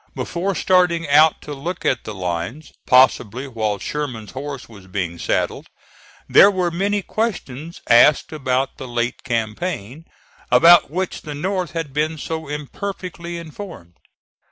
Before starting out to look at the lines possibly while Sherman's horse was being saddled there were many questions asked about the late campaign, about which the North had been so imperfectly informed.